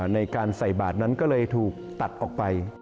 ในการใส่บาทนั้นก็เลยถูกตัดออกไป